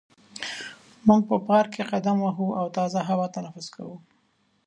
موږ په پارک کې قدم وهو او تازه هوا تنفس کوو.